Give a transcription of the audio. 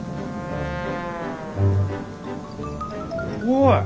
おい。